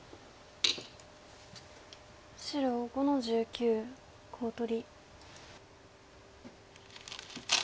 白５の十九コウ取り。